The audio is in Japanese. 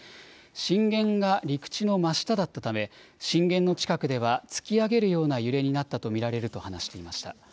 震源が陸地の真下だったため震源の近くでは突き上げるような揺れになったと見られると話していました。